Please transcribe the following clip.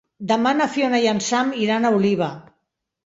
Demà na Fiona i en Sam iran a Oliva.